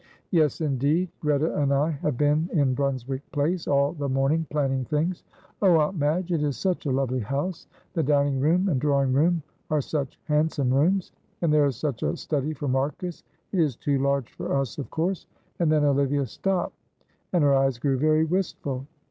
"Yes, indeed; Greta and I have been in Brunswick Place all the morning planning things. Oh, Aunt Madge, it is such a lovely house. The dining room and drawing room are such handsome rooms, and there is such a study for Marcus. It is too large for us, of course." And then Olivia stopped and her eyes grew very wistful.